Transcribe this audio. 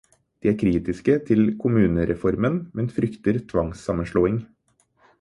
De er kritiske til kommunereformen, men frykter tvangssammenslåing.